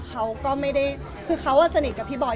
เขาก็ไม่ได้คือเขาสนิทกับพี่บอย